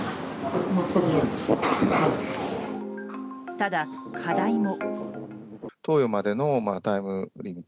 ただ、課題も。